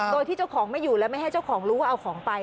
โดยที่เจ้าของไม่อยู่และไม่ให้เจ้าของรู้ว่าเอาของไป